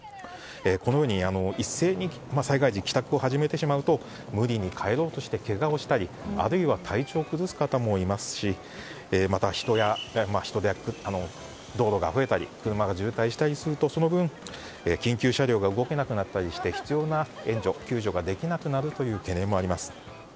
このように一斉に災害時帰宅を始めてしまうと無理に帰ろうとしてけがをしたりあるいは体調を崩す方もいますしまた、人が道路にあふれたり車が渋滞したりするとその分、緊急車両が動けなくなったりして必要な援助、救助ができなくなる懸念もあります。